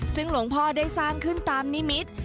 ซึ่งหลวงพ่อได้สร้างขึ้นตามนิมิตร